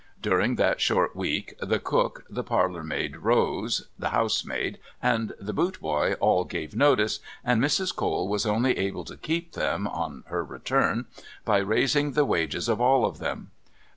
During that short week the cook, the parlourmaid, Rose, the housemaid, and the bootboy all gave notice, and Mrs. Cole was only able to keep them (on her return) by raising the wages of all of them.